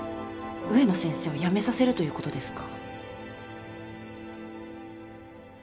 植野先生を辞めさせるということですか？